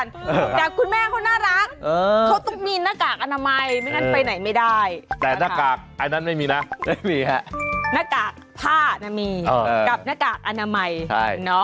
ในชีวิตเปลี่ยนเดี๋ยวกลิ่งขึ้น